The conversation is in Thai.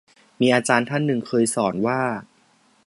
มีอาจารย์ท่านหนึ่งเคยสอนว่า